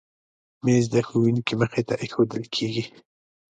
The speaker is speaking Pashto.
مېز د ښوونکي مخې ته ایښودل کېږي.